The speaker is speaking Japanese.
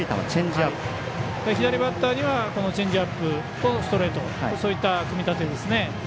左バッターにはこのチェンジアップとストレートといった組み立てです。